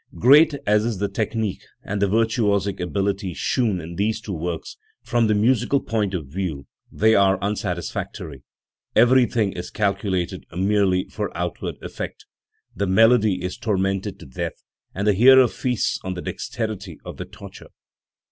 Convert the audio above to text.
Great as is the technique and the virtuosic ability shewn in these two works, from the musical point of view they are unsatisfactory. Everything is calculated merely for outward effect. The melody is tormented to death, and the heater feasts on the dexterity of the torture.